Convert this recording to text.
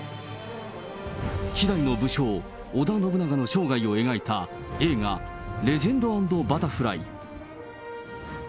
稀代の武将、織田信長の生涯を描いた映画、レジェンド＆バタフライ。